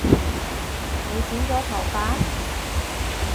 你剪咗頭髮？